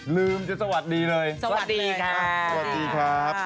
ลืมจะสวัสดีเลยสวัสดีค่ะสวัสดีครับ